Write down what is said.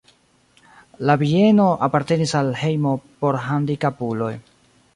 La bieno apartenis al hejmo por handikapuloj.